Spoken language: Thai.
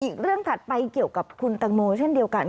อีกเรื่องถัดไปเกี่ยวกับคุณตังโมเช่นเดียวกัน